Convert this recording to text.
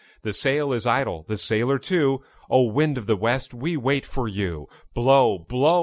The sail is idle, the sailor too; O! wind of the west, we wait for you. Blow, blow!